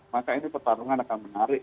maka ini pertarungan akan menarik